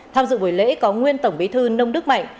tham dự buổi lễ có nguyên tổng bí thư nông đức mạnh